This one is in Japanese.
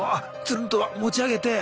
つるんと持ち上げて。